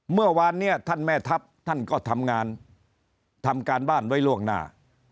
เมื่อวานเนี่ยท่านแม่ทัพท่านก็ทำงานทำการบ้านไว้ล่วงหน้า